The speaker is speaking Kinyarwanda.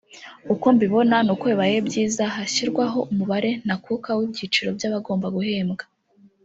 uko mbibona nuko bibaye byiza hashyirwaho umubare ntakuka w’ibyiciro by’abagomba guhembwa